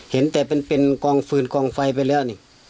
เห็นแต่เป็นกองฟืนกองไฟไปแล้วนี่